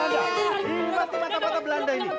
ini pasti mata mata belanda ini